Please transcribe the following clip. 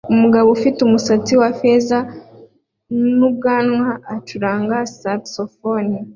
Umugabo ufite umusatsi wa feza n'ubwanwa acuranga saxofone